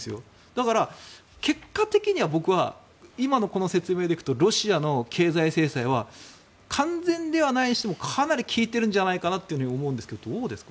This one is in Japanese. だから、結果的には僕は今のこの説明でいくとロシアの経済制裁は完全ではないにしてもかなり効いてるんじゃないかなと思うんですがどうですか？